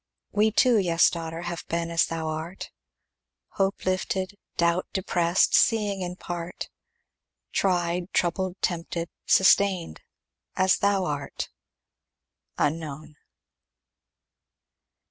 We too, yes, daughter, Have been as thou art. Hope lifted, doubt depressed, Seeing in part, Tried, troubled, tempted, Sustained, as thou art. Unknown.